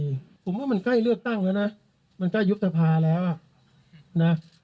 ผมว่ามันใกล้เลือกตั้งแล้วนะมันใกล้ยุบสภาแล้วอ่ะนะ